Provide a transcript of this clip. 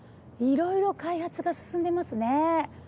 いろいろ開発が進んでますね。